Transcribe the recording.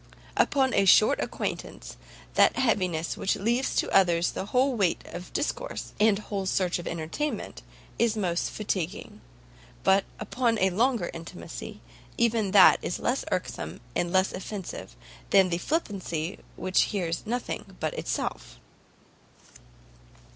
Upon a short acquaintance, that heaviness which leaves to others the whole weight of discourse, and whole search of entertainment, is the most fatiguing, but, upon a longer intimacy, even that is less irksome and less offensive, than the flippancy which hears nothing but itself."